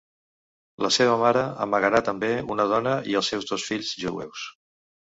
La seva mare amagarà també una dona i els seus dos fills jueus.